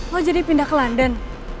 oh jadi pindah ke london